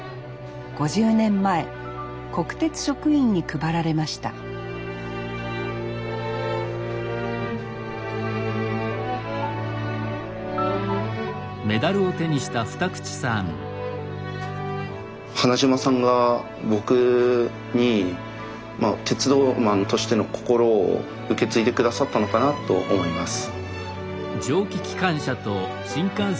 ５０年前国鉄職員に配られました花島さんが僕に鉄道マンとしての心を受け継いで下さったのかなと思います。